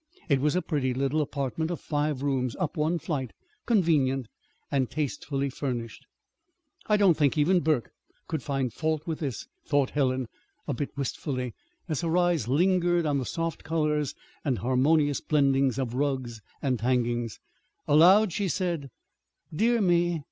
It was a pretty little apartment of five rooms up one flight, convenient, and tastefully furnished. "I don't think even Burke could find fault with this," thought Helen, a bit wistfully, as her eyes lingered on the soft colorings and harmonious blendings of rugs and hangings. Aloud she said: "Dear me!